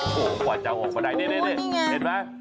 โอ้โฮพ่อเจ้าออกมาได้นี่เห็นไหม